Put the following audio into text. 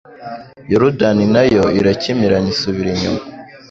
Yorudani na yo irakimirana isubira inyuma